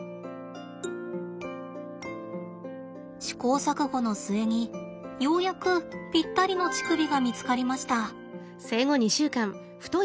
試行錯誤の末にようやくピッタリの乳首が見つかりました。